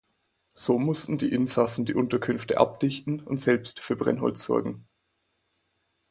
So mussten die Insassen die Unterkünfte abdichten und selbst für Brennholz sorgen.